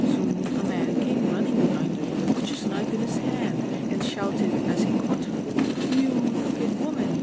Soon a man came running behind her with a butcher's knife in his hand, and shouted as he caught her :* You wicked woman